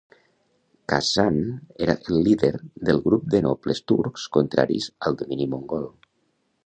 Qazghan era el líder del grup de nobles turcs contraris al domini mongol.